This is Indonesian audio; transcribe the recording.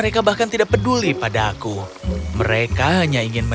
sekarang dengarkan ibu punya kejutan lain untukmu